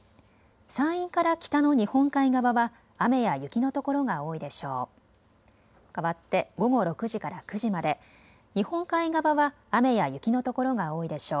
山陰から北の日本海側は雨や雪のところが多いでしょう。